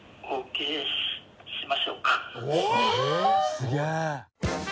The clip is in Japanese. すげえ！